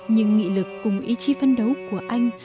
nhưng nghị lực cùng ý chí phấn đấu của anh